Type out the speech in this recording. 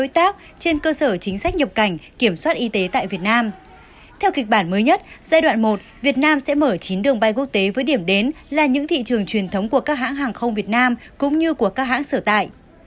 theo kịch bản mới nhất giai đoạn một việt nam sẽ mở chín đường bay quốc tế với điểm đến là những thị trường truyền thống của các hãng hàng không việt nam cũng như của các hãng sở tại